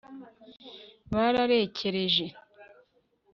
bararekereje